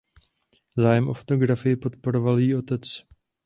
Zájem o fotografii podporoval její otec.